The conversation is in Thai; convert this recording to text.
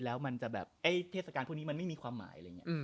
แล้วเทศกาลพวกนี้มันไม่มีความหมาย